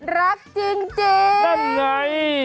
รักจริงนั่นไง